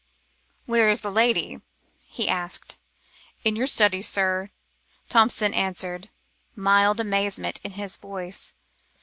"Where is the lady?" he asked. "In your study, sir," Thompson answered, mild amazement in his voice.